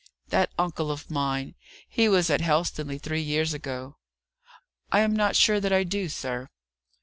"That uncle of mine. He was at Helstonleigh three years ago." "I am not sure that I do, sir."